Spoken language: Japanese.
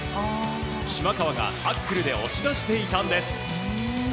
島川がタックルで押し出していたんです。